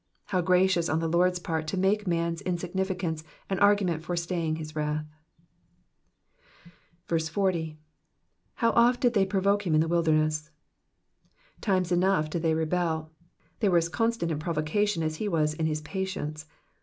How gracious on the Lord^s part to make man's insignificance an argument for staying his wrath. 40. ''''Hate oft did they provoke him in the wilderness.'^ ^ Times enough did they rebel : they were as constant in provocation as he was in his patience.